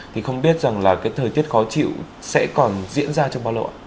thì không biết rằng là cái thời tiết khó chịu sẽ còn diễn ra trong bao lộ